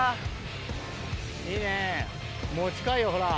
いいねもう近いよほら。